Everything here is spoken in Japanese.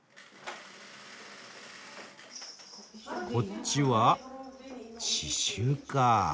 こっちは刺しゅうかあ。